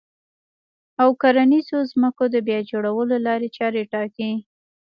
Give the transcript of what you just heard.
و کرنيزو ځمکو د بيا جوړولو لارې چارې ټاکي